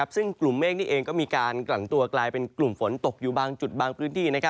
ซึ่งกลุ่มเมฆนี่เองก็มีการกลั่นตัวกลายเป็นกลุ่มฝนตกอยู่บางจุดบางพื้นที่